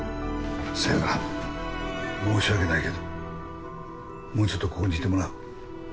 せやから申し訳ないけどもうちょっとここにいてもらう。